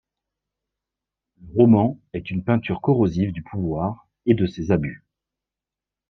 Le roman est une peinture corrosive du pouvoir et de ses abus.